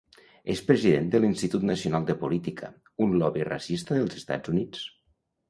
És president de l'Institut Nacional de Política, un lobby racista dels Estats Units.